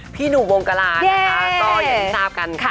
พี่หนุ่มวงกราตอนนี้ได้ที่ทราบกันค่ะ